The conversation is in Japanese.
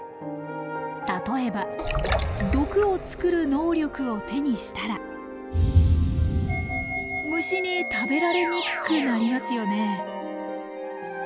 例えば毒を作る能力を手にしたら虫に食べられにくくなりますよね。